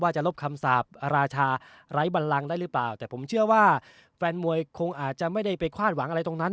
จะลบคำสาปราชาไร้บันลังได้หรือเปล่าแต่ผมเชื่อว่าแฟนมวยคงอาจจะไม่ได้ไปคาดหวังอะไรตรงนั้น